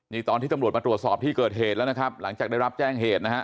นี่ตอนที่ตำรวจมาตรวจสอบที่เกิดเหตุแล้วนะครับหลังจากได้รับแจ้งเหตุนะฮะ